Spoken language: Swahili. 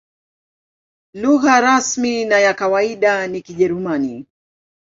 Lugha rasmi na ya kawaida ni Kijerumani.